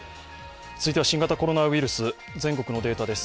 続いては新型コロナウイルス全国のデータです。